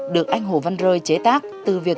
bảo vệ nhân dân